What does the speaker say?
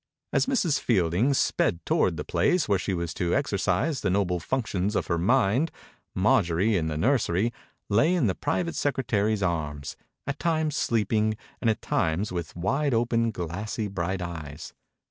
As Mrs. Fielding sped toward the place where she was to ex ercise the noble functions of her mind, Marjorie, in the nursery, lay in the private secretary's .arms, at times sleeping and at times with wide open, glassy, bright eyes.